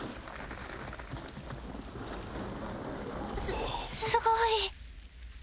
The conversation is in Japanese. すすごい。